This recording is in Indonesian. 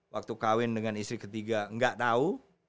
waktu kawin dengan istri ketiga gak tau